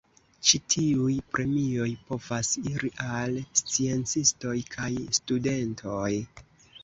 Ĉi tiuj premioj povas iri al sciencistoj kaj studentoj.